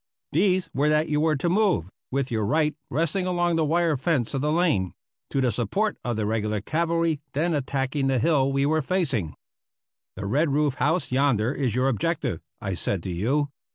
These were that you were to move, with your right resting along the wire fence of the lane, to the support of the regular cavalry then attacking the hill we were facing. "The red roofed house yonder is your objective," I said to you.